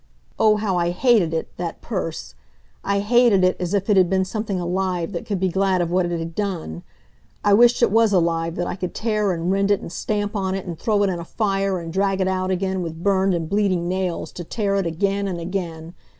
Oh, how I hated it, that purse! I hated it as if it had been something alive that could be glad of what it had done. I wished it was alive that I could tear and rend it and stamp on it and throw it in a fire, and drag it out again, with burned and bleeding nails, to tear it again and again.